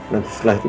nanti setelah itu